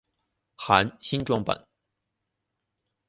含新装版。